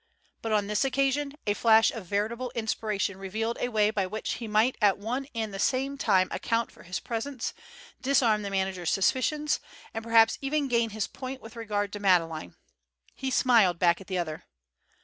But on this occasion a flash of veritable inspiration revealed a way by which he might at one and the same time account for his presence, disarm the manager's suspicions, and perhaps even gain his point with regard to Madeleine. He smiled back at the other.